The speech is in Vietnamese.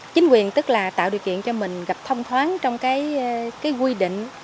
chính quyền tức là tạo điều kiện cho mình gặp thông thoáng trong cái quy định